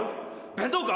弁当か？